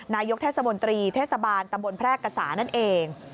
นายกเทศมนตรีเทศบาลตำบลแพรกษานั่นเอง